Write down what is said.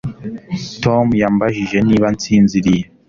Tom yambajije niba nsinziriye